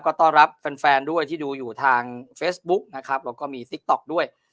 ก็ต้อนรับแฟนแฟนด้วยที่ดูอยู่ทางเฟซบุ๊กนะครับแล้วก็มีติ๊กต๊อกด้วย